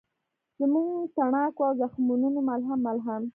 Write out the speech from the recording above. زموږ تڼاکو او زخمونوته ملهم، ملهم